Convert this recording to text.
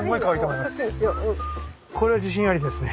これは自信ありですね。